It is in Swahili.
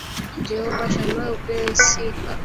Jehovah Shammah upewe sifa